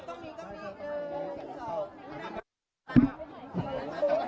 ไม่ได้หยัดแล้วนะ